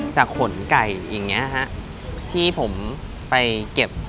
จากขนไก่อย่างนี้นะครับ